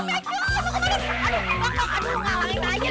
aduh ngalahin aja si nya